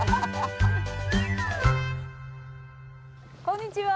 こんにちは。